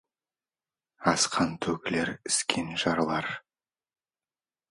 Асқан төгілер, іскен жарылар.